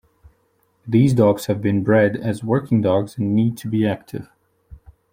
These dogs have been bred as working dogs and need to be active.